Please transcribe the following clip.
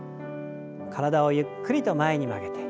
体をゆっくりと前に曲げて。